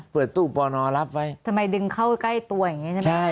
เปิดตู้ปอนอรับไว้ทำไมดึงเข้าใกล้ตัวอย่างนี้ใช่ไหม